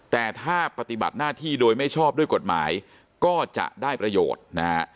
แต่ถ้าปฏิบัติหน้าที่โดยไม่ชอบด้วยกฎหมายก็จะได้ประโยชน์นะฮะ